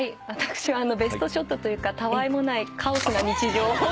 私はベストショットというかたわいもないカオスな日常を。